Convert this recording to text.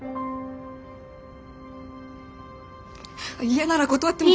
嫌なら断っても。